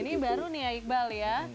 ini baru nih ya iqbal ya